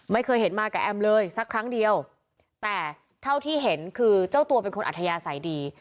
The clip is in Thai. ไม่เคยเห็นมากับแอมเลยสักครั้งเดียวแต่เท่าที่เห็นคือเจ้าตัวเป็นคนอัธยาศัยดี